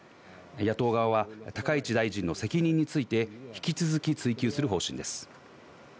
野党側は高市大臣の責任について引き続き追及する方針です。